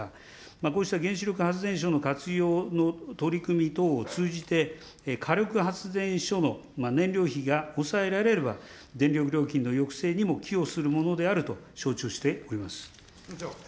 こうした原子力発電所の活用の取り組み等を通じて、火力発電所の燃料費が抑えられれば、電力料金の抑制にも寄与するものであると承知をしております。